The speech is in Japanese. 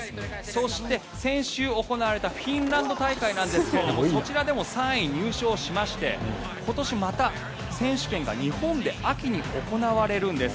そして、先週行われたフィンランド大会なんですがそちらでも３位に入賞しまして今年、また選手権が日本で秋に行われるんです。